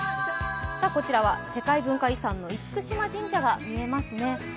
こちらは世界文化遺産の厳島神社が見えますね。